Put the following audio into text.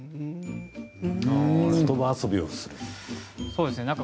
そうですね。